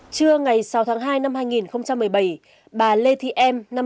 trưa ngày sáu tháng hai năm hai nghìn một mươi bảy bà lê thị em năm mươi tám